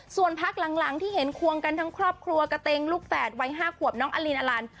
ส่วนพักหลังที่เห็นควงกันทั้งครอบครัวกระเต็งลูกแฝดวัย๕ขวบน้องอลินอลัน